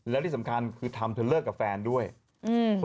แล้วที่สำคัญคือทำเธอเลิกกับแฟนด้วยอืม